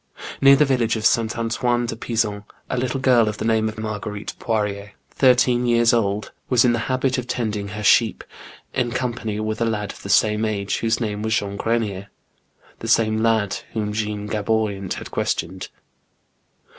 Near the village of S. Antoine de Pizon, a little girl of the name of Marguerite Poirier, thirteen years old. 90 THE BOOK OF WBRE WOLVES. was in the habit of tending her sheep, in company with a lad of the same age, whose name was Jean Grenier. The same lad whom Jeannb Oaboriant had questioned.